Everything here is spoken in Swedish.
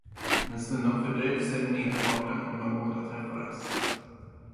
Men stundom fördröjde sig den ena parten och de båda träffades.